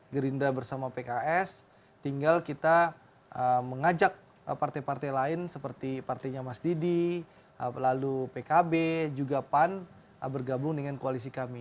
gerindra bersama pks tinggal kita mengajak partai partai lain seperti partainya mas didi lalu pkb juga pan bergabung dengan koalisi kami